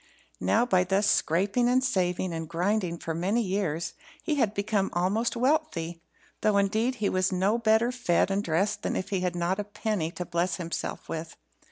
Now, by thus scraping, and saving, and grinding for many years, he had become almost wealthy; though, indeed, he was no better fed and dressed than if he had not a penny to bless himself with.